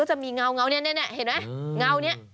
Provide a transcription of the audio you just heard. จะมีเงาเนี่ยเห็นไหมเงานี้